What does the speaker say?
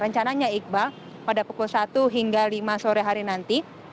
rencananya iqbal pada pukul satu hingga lima sore hari nanti